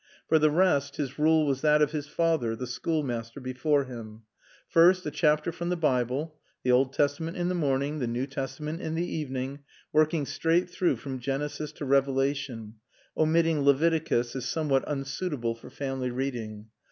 For the rest, his rule was that of his father, the schoolmaster, before him. First, a chapter from the Bible, the Old Testament in the morning, the New Testament in the evening, working straight through from Genesis to Revelation (omitting Leviticus as somewhat unsuitable for family reading).